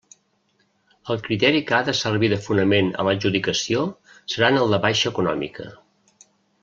El criteri que ha de servir de fonament a l'adjudicació seran el de baixa econòmica.